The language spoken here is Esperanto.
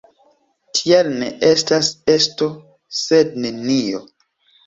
Tial ne estas esto sed nenio.